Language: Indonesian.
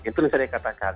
itu yang saya katakan